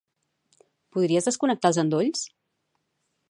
Podries desconnectar els endolls?